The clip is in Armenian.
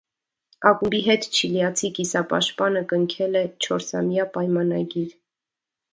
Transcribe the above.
Ակումբի հետ չիլիացի կիսապաշտպանը կնքել է չորսամյա պայմանագիր։